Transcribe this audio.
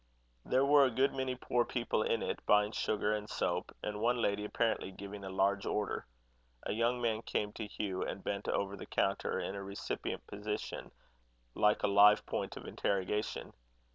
There were a good many poor people in it, buying sugar, and soap, &c. and one lady apparently giving a large order. A young man came to Hugh, and bent over the counter in a recipient position, like a live point of interrogation.